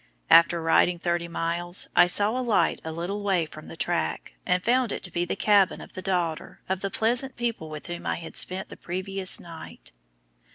After riding thirty miles I saw a light a little way from the track, and found it to be the cabin of the daughter of the pleasant people with whom I had spent the previous night.